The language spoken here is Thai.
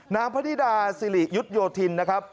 นางพระนิดาศิริยุตโยธินนะครับ